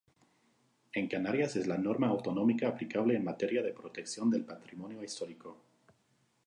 En Canarias es la norma autonómica aplicable en materia de protección del Patrimonio histórico.